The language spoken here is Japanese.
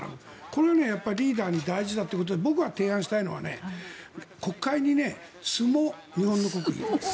これをリーダーに大事だということで僕は提案したいのは国会に相撲、日本の国技。